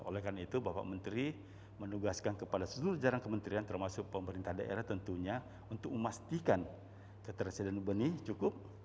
oleh karena itu bapak menteri menugaskan kepada seluruh jarang kementerian termasuk pemerintah daerah tentunya untuk memastikan ketersediaan benih cukup